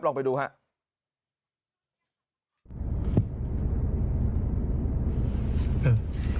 ลองไปดูครับ